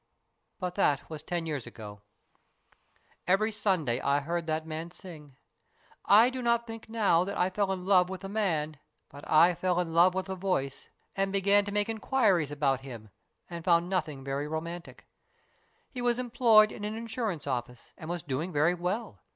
" But that was ten years ago. Every Sunday I heard that man sing. I do not think now that I fell in love with the man, but I fell in love with the voice, and began to make inquiries about him, and found nothing very romantic. He was em ployed in an insurance office and was doing very well.